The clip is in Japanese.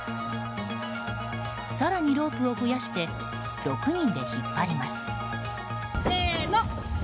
更にロープを増やして６人で引っ張ります。